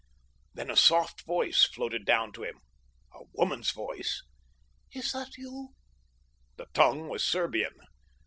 Then a soft voice floated down to him—a woman's voice! "Is that you?" The tongue was Serbian.